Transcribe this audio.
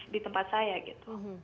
di tempat saya gitu